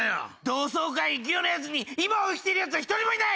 同窓会行くようなヤツに今を生きてるヤツは１人もいない。